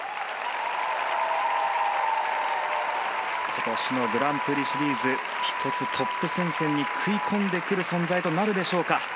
今年のグランプリシリーズ１つトップ戦線に食い込んでくる存在となるでしょうか。